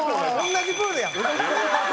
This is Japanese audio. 同じプールやん！